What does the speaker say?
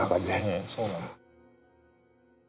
ええそうなんです。